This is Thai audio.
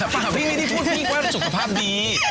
ฝากพี่ไม่ได้พูดพี่ว่าสุขภาพดี